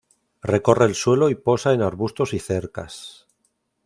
Recorre el suelo y posa en arbustos y cercas.